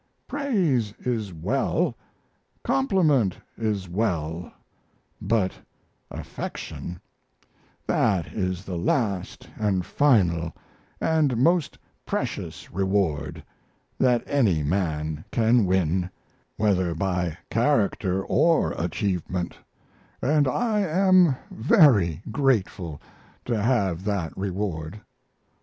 Praise is well, compliment is well, but affection that is the last and final and most precious reward that any man can win, whether by character or achievement, and I am very grateful to have that reward.